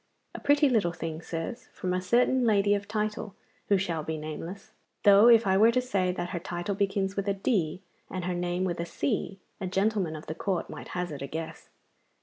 A pretty little thing, sirs, from a certain lady of title, who shall be nameless; though, if I were to say that her title begins with a D and her name with a C, a gentleman of the Court might hazard a guess.